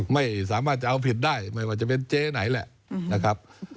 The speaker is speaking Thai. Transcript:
ไม่สามารถจะเอาผิดได้ไม่ว่าจะเป็นเจ๊ไหนแหละนะครับ